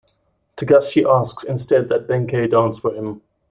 Togashi asks instead that Benkei dance for him.